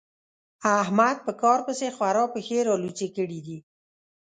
احمد په کار پسې خورا پښې رالوڅې کړې دي.